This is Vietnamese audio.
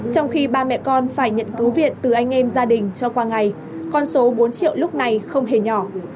trong khi ba mẹ con phải nhận cứu viện từ anh em gia đình cho qua ngày con số bốn triệu lúc này không hề nhỏ